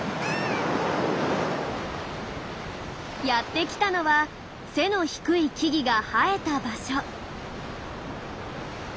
やってきたのは背の低い木々が生えた場所。